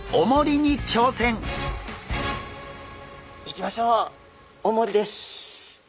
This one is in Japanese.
いきましょうおもりです。